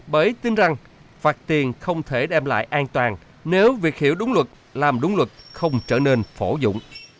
bởi tin rằng phạt tiền không thể đem lại an toàn nếu việc hiểu đúng luật làm đúng luật không trở nên phổ dụng